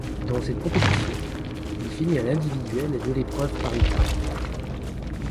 Dans cette compétition, il finit à l'individuel et de l'épreuve par équipe.